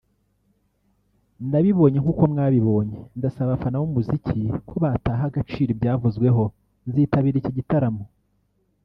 nabibonye nkuko mwabibonye ndasaba abafana b’umuziki ko bataha agaciro ibyavuzwe ko nzitabira iki gitaramo